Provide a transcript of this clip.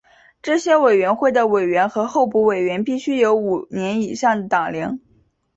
这些委员会的委员和候补委员必须有五年以上的党龄。